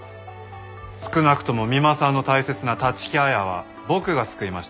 少なくとも三馬さんの大切な立木彩は僕が救いましたが。